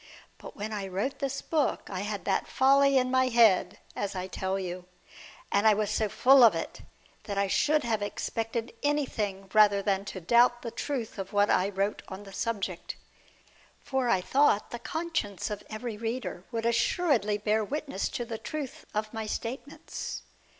But when I wrote this book I had that folly in my head, as I tell you. And I was so full of it, that I should have expected anything rather than to doubt the truth of what I wrote on the subject. For I thought the conscience of every reader would assuredly bear witness to the truth of my statements.